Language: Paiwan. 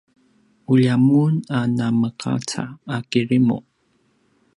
ulja mun a nameqaca a kirimu